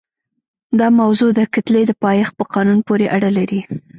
دا موضوع د کتلې د پایښت په قانون پورې اړه لري.